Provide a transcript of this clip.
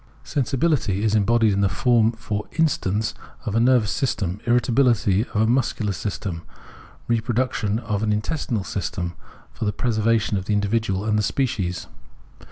Sensibility is embodied in the form for instance of a nervous system, irritability, of a muscular system, re production, of an intestinal system for tte preser vation of the individual and the species.